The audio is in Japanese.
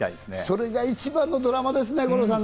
それが一番のドラマですね、五郎さん。